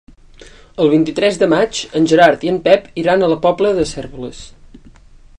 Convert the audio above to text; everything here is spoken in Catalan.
El vint-i-tres de maig en Gerard i en Pep iran a la Pobla de Cérvoles.